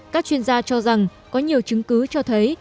các chuyên gia cho rằng có nhiều chứng cứ cho thấy